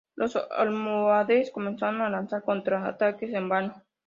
Los almohades comenzaron a lanzar contraataques en vano.